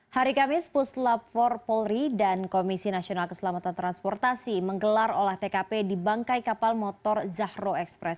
hari kamis puslap empat polri dan komisi nasional keselamatan transportasi menggelar olah tkp di bangkai kapal motor zahro express